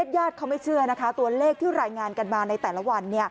ญาติเขาไม่เชื่อนะคะตัวเลขที่รายงานกันมาในแต่ละวัน